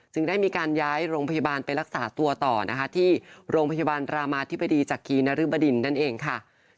ได้มีการย้ายโรงพยาบาลไปรักษาตัวต่อนะคะที่โรงพยาบาลรามาธิบดีจากกีนริบดินนั่นเองค่ะ